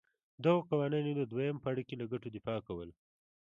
دغو قوانینو د دویم پاړکي له ګټو دفاع کوله.